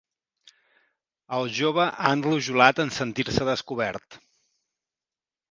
El jove ha enrojolat en sentir-se descobert.